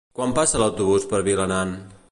Quan passa l'autobús per Vilanant?